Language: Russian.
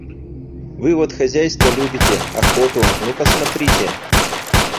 Вы вот хозяйство любите, охоту, — ну посмотрите!